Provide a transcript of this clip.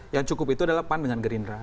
yang cukup itu adalah pan dengan gerindra